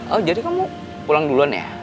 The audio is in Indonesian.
oh jadi kamu pulang duluan ya